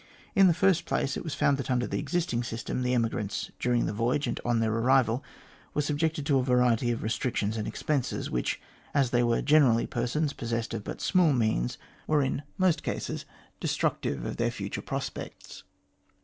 In the first place, it was found that under the existing system, the emigrants, during the voyage and on their arrival, were subjected to a variety of restrictions and expenses which, as they were generally persons possessed of but small means, were in most cases destructive of their future prospects.